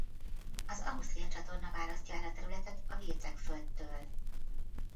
Az Ausztria-csatorna választja el a területet a Wilczek-földtől.